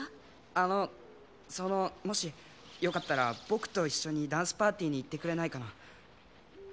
あのそのもしよかったら僕と一緒にダンスパーティーに行ってくれないかな？